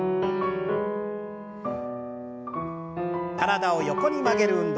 体を横に曲げる運動。